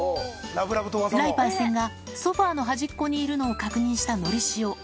雷パイセンがソファーの端っこにいるのを確認したのりしお。